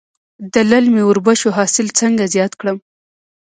د للمي وربشو حاصل څنګه زیات کړم؟